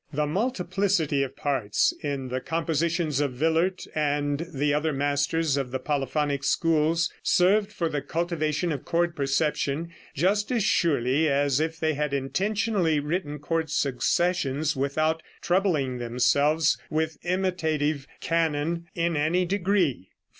The multiplicity of parts in the compositions of Willaert, and the other masters of the polyphonic schools, served for the cultivation of chord perception just as surely as if they had intentionally written chord successions without troubling themselves with imitative canon in any degree.